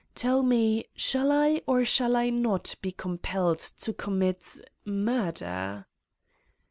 Tell me, shall I or shall I not be compelled to commit ... murder